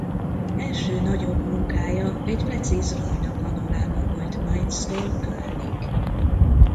Első nagyobb munkája egy precíz Rajna-panoráma volt Mainztól Kölnig.